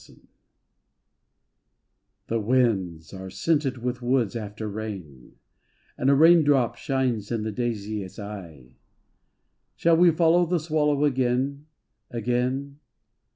SONG The winds are scented with woods after rain, And a raindrop shines in the daisy's eye. Shall we follow the swallow again, again.